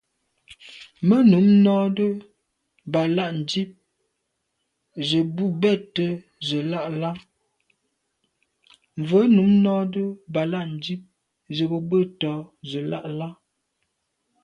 Mvə̌ nǔm nɔ́də́ bā lâ' ndíp zə̄ bū bə̂ tɔ̌ zə̄ lá' lá.